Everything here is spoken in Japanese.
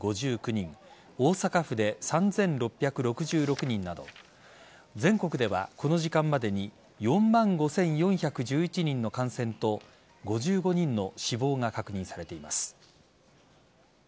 大阪府で３６６６人など全国ではこの時間までに４万５４１１人の感染と５５人の死亡が確認されています。